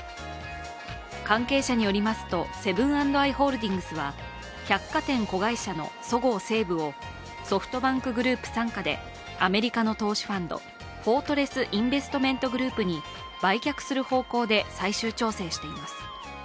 関係者によりますとセブン＆アイ・ホールディングスは百貨店子会社のそごう・西武をソフトバンクグループ傘下でアメリカの投資ファンド、フォートレス・インベストメント・グループに売却する方向で最終調整しています。